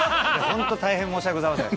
本当、大変申し訳ございません。